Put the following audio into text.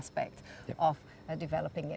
sekali lagi andrew